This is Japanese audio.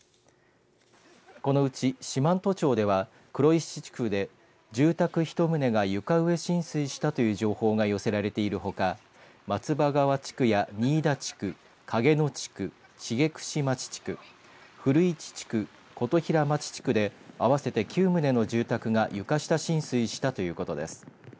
このうち四万十町では黒石地区で、住宅１棟が床上浸水したという情報が寄せられているほか松葉川地区や仁井田地区影野地区、茂串町地区古市地区、琴平町地区で合わせて９棟の住宅が床下浸水したということです。